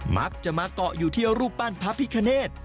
มักจะมาเกาะอยู่ที่รูปปั้นพระพิคเนธ